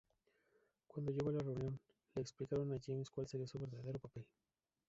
Cuando llegó a la reunión, le explicaron a James cual sería su verdadero papel.